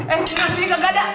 eh ini kasihnya gak ada